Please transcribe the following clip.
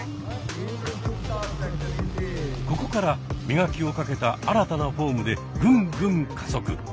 ここから磨きをかけた新たなフォームでぐんぐん加速。